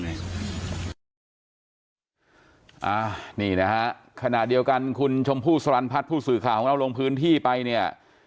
นี่นะฮะขณะเดียวกันคุณชมพู่สรรพัฒน์ผู้สื่อข่าวของเราลงพื้นที่ไปเนี่ย